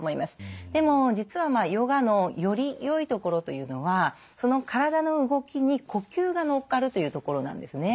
でも実はヨガのよりよいところというのはその体の動きに呼吸が乗っかるというところなんですね。